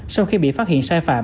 sau khi bị phát hiện sai phạm